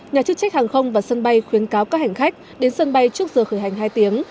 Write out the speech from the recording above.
nhà chức trách hàng không và sân bay khuyến cáo các hành khách đến sân bay trước giờ khởi hành hai tiếng